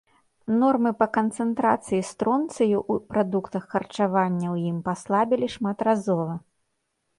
Нормы па канцэнтрацыі стронцыю ў прадуктах харчавання ў ім паслабілі шматразова.